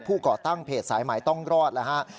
ผู้ก่อตั้งเพจสายหมายต้องรอดนะฮะ